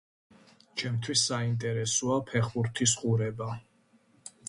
ჩემთვის საინტერესოა ფეხბურთის ყურება.